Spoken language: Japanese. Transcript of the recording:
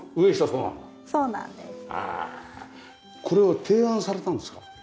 これは提案されたんですか？